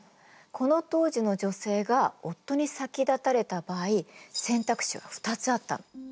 この当時の女性が夫に先立たれた場合選択肢は２つあったの。